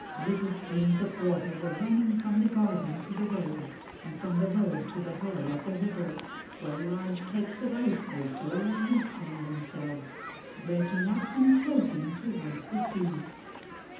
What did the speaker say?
Little streams of water were running from the garden to the road, and from the road to the hollow of the river, where large cakes of ice were slowly loosening themselves, breaking up and floating toward the sea.